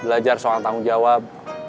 belajar soal tanggung jawab